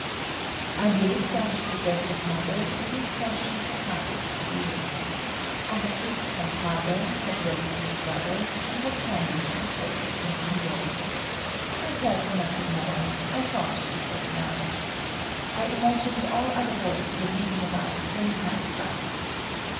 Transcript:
I lived, after the death of mother, in this fashion for five or six years. I had kicks from father, had rows with brother, and had candies and praise from Kiyo. I cared for nothing more; I thought this was enough. I imagined all other boys were leading about the same kind of life.